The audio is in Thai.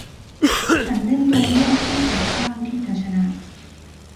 ฉันเล่นตัวเลือกที่เปิดกว้างที่จะชนะ